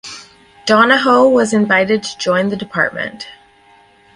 Donahoe was invited to join the Dept.